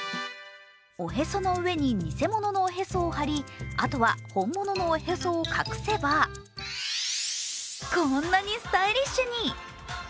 おそへの上に偽物のおへそを貼りあとは本物のおへそを隠せば、こんなにスタイリッシュに。